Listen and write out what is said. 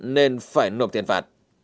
nên phải nộp tiền phạt